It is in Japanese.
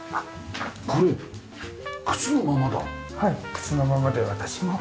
靴のままで私も。